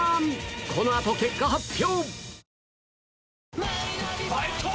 この後結果発表！